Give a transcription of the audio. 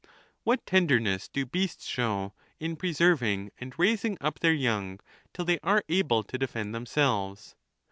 What tenderness do beasts show in preserving and raising up their young till they are able to defend themselves